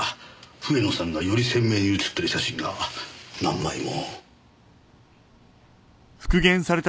笛野さんがより鮮明に写っている写真が何枚も。